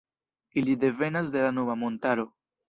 Ili devenas de la Nuba-montaro.